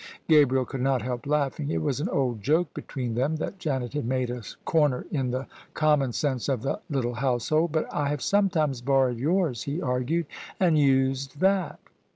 Gabriel could not help laughing. It was an old joke between them that Janet had made " a comer " in the com mon sense of the little household. " But I have sometimes borrowed yours," he argued, " and used that."